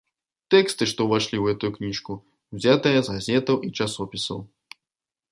Тэксты, што ўвайшлі ў гэтую кніжку, узятыя з газетаў і часопісаў.